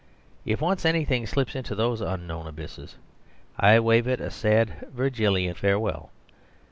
If once anything slips into those unknown abysses, I wave it a sad Virgilian farewell.